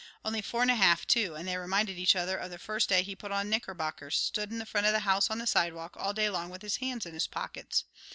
Only four and a half, too, and they reminded each other of the first day he put on knickerbockers; stood in front of the house on the sidewalk all day long with his hands in his pockets.